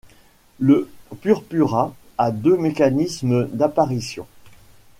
Le purpura a deux mécanismes d'apparition.